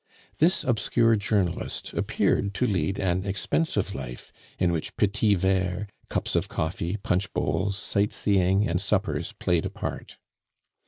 This obscure journalist appeared to lead an expensive life in which petits verres, cups of coffee, punch bowls, sight seeing, and suppers played a part.